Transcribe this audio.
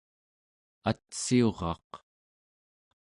atsiuraq